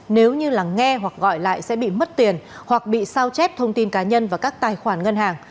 nếu như là nghe hoặc gọi lại sẽ bị mất tiền hoặc bị sao chép thông tin cá nhân và các tài khoản ngân hàng